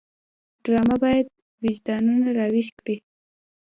ډرامه باید وجدانونه راویښ کړي